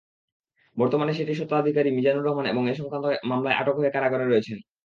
বর্তমানে সেটির স্বত্বাধিকারী মিজানুর রহমান এ-সংক্রান্ত মামলায় আটক হয়ে কারাগারে রয়েছেন।